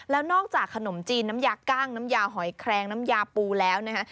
แล้วนอกจากขนมจีนน้ำยากั้งน้ำยาหอยแครงน้ำยาปูแล้วนะฮะ